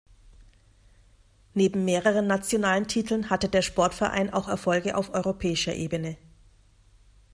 Neben mehreren nationalen Titeln, hatte der Sportverein auch Erfolge auf europäischer Ebene.